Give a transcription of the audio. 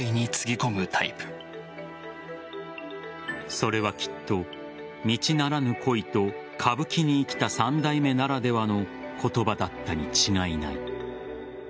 それはきっと道ならぬ恋と歌舞伎に生きた三代目ならではの言葉だったに違いない。